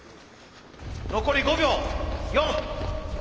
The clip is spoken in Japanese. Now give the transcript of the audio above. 残り５秒４３。